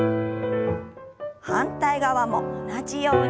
反対側も同じように。